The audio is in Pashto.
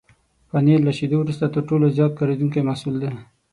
پنېر له شيدو وروسته تر ټولو زیات کارېدونکی محصول دی.